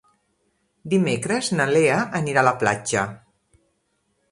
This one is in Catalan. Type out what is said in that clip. Dimecres na Lea anirà a la platja.